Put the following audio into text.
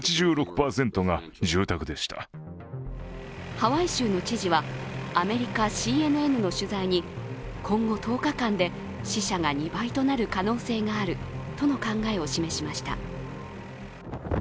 ハワイ州の知事はアメリカＣＮＮの取材に、今後１０日間で死者が２倍となる可能性があるとの考えを示しました。